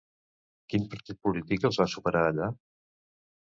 Quin partit polític els va superar allà?